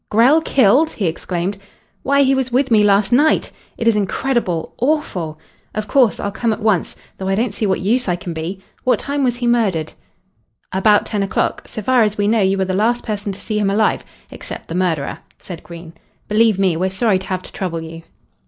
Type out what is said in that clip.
"Grell killed!" he exclaimed, "Why, he was with me last night. It is incredible awful. Of course, I'll come at once though I don't see what use I can be. What time was he murdered?" "About ten o'clock. So far as we know you were the last person to see him alive except the murderer," said Green. "Believe me, we're sorry to have to trouble you."